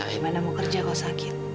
gimana mau kerja kalau sakit